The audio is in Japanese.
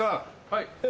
はい。